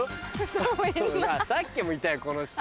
さっきもいたよこの人。